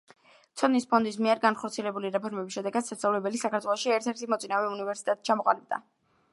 ცოდნის ფონდის მიერ განხორციელებული რეფორმების შედეგად სასწავლებელი საქართველოში ერთ-ერთ მოწინავე უნივერსიტეტად ჩამოყალიბდა.